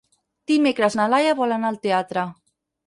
Dimecres na Laia vol anar al teatre.